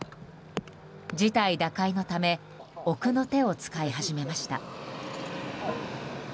事態打開のため奥の手を使い始めました。